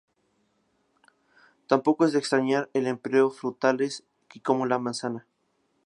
Tampoco es de extrañar el empleo de frutas tales y como la manzana.